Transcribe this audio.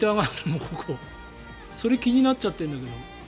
それが気になっちゃっているんだけど。